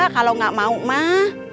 kalau gak mau mah